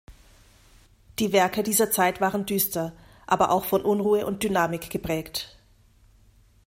Die Werke dieser Zeit waren düster, aber auch von Unruhe und Dynamik geprägt.